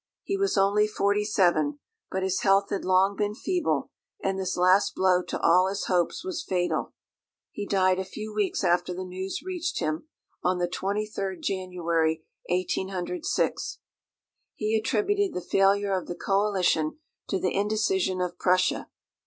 He was only forty seven; but his health had long been feeble, and this last blow to all his hopes was fatal. He died a few weeks after the news reached him, on the 23d January 1806. He attributed the failure of the coalition to the indecision of Prussia.